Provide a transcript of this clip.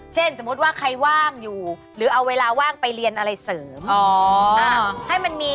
เช่นสมมติว่าใครว่างอยู่หรือเอาเวลาว่างไปเรียนอะไรเสริม